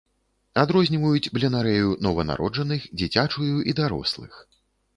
Адрозніваюць бленарэю нованароджаных, дзіцячую і дарослых.